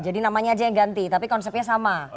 jadi namanya aja yang ganti tapi konsepnya sama